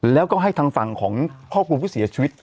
แล้วก็ให้ทางฝั่งของครอบครัวผู้เสียชีวิต